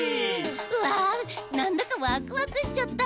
わあなんだかワクワクしちゃった。ね。